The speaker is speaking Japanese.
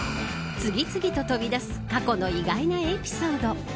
次々と飛び出す過去の意外なエピソード。